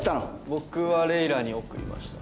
僕はレイラに送りました。